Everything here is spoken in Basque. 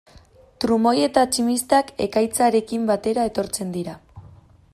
Trumoi eta tximistak ekaitzarekin batera etortzen dira.